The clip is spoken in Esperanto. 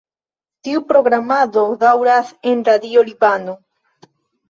Tiu programado daŭras en Radio Libano.